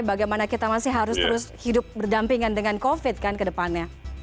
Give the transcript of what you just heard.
bagaimana kita masih harus terus hidup berdampingan dengan covid kan ke depannya